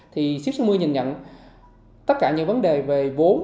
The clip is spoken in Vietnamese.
thì sip sáu mươi nhìn nhận tất cả những vấn đề về vốn